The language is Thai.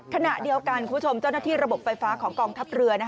ขณะเดียวกันคุณผู้ชมเจ้าหน้าที่ระบบไฟฟ้าของกองทัพเรือ